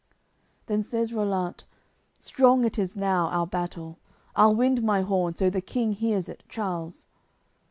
AOI. CXXX Then says Rollant: "Strong it is now, our battle; I'll wind my horn, so the King hears it, Charles."